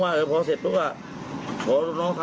ไม่เคยระตานใครก็อยู่แบบนี้ธุลพุนติ